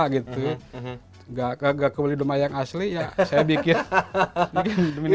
nggak kebeli domba yang asli saya bikin miniaturnya